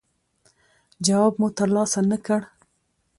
جواب مو ترلاسه نه کړ.